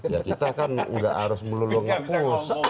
ya kita kan nggak harus melulu ngepus